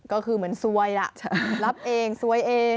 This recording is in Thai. ก็คือเหมือนซวยล่ะรับเองซวยเอง